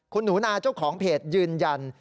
คุณหนูนาเจ้าของเพจยืนยัน